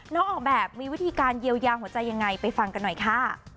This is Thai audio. ออกแบบมีวิธีการเยียวยาหัวใจยังไงไปฟังกันหน่อยค่ะ